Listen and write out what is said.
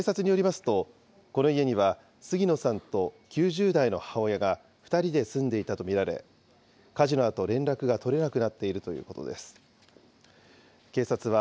警察によりますと、この家には杉野さんと９０代の母親が２人で住んでいたと見られ、火事のあと連絡が取れなくなっているということです。